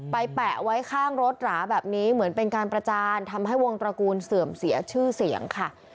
แปะไว้ข้างรถหราแบบนี้เหมือนเป็นการประจานทำให้วงตระกูลเสื่อมเสียชื่อเสียงค่ะ